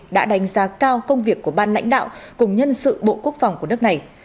đã đánh giá cao công việc của ban lãnh đạo cùng nhân sự bộ quốc phòng của nước này